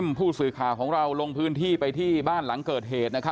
แม่ก็เลยนึกว่าเป็นลมก็เลยเอาศพพลิกขึ้นมาเอาร่างพลิกขึ้นมา